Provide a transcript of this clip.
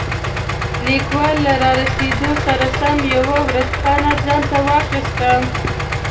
لیکوال له رارسېدو سره سم یوه ورځپاڼه ځانته واخیسته.